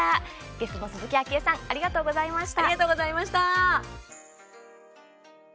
ゲストの鈴木あきえさんありがとうございました。